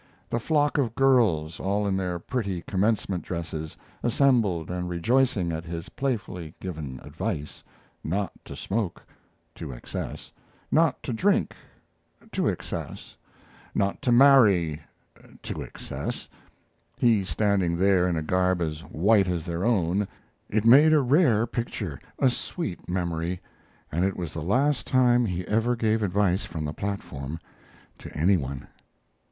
The flock of girls, all in their pretty commencement dresses, assembled and rejoicing at his playfully given advice: not to smoke to excess; not to drink to excess; not to marry to excess; he standing there in a garb as white as their own it made a rare picture a sweet memory and it was the last time he ever gave advice from the platform to any one.